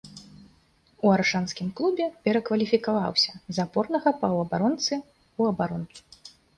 У аршанскім клубе перакваліфікаваўся з апорнага паўабаронцы ў абаронцу.